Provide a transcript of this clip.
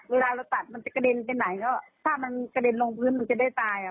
เวลาเราตัดมันจะกระเด็นไปไหนก็ถ้ามันกระเด็นลงพื้นมันจะได้ตาย